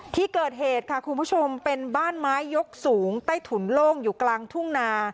ที่เกิดเหตุค่ะคุณผู้ชมเป็นบ้านไม้ยกสูงใต้ถุนโล่งอยู่กลางทุ่งนา